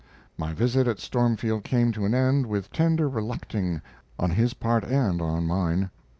My visit at Stormfield came to an end with tender relucting on his part and on mine.